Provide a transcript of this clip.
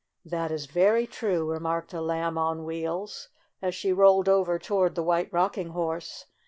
"That is very true," remarked a Lamb on Wheels, as she rolled over toward the White Rocking Horse.